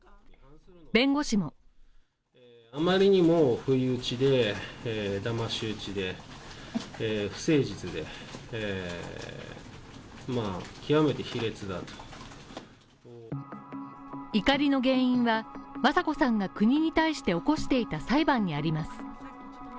弁護士も怒りの原因は雅子さんが国に対して起こしていた裁判にあります。